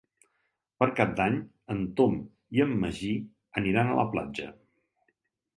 Per Cap d'Any en Tom i en Magí iran a la platja.